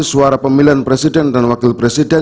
suara pemilihan presiden dan wakil presiden